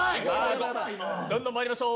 どんどんまいりましょう。